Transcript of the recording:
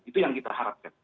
itu yang kita harapkan